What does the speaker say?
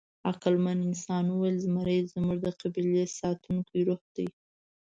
عقلمن انسان وویل: «زمری زموږ د قبیلې ساتونکی روح دی».